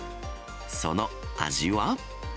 その味は。